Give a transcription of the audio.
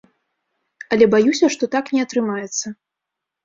Але баюся, што так не атрымаецца.